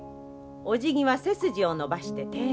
おじぎは背筋を伸ばして丁寧に。